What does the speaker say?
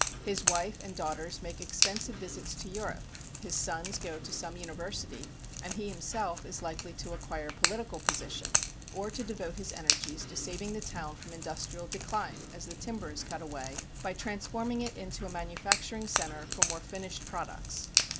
His wife and daughters make extensive visits to Europe, his sons go to some university, and he himself is likely to acquire political position, or to devote his energies to saving the town from industrial decline, as the timber is cut away, by transforming it into a manufacturing center for more finished products.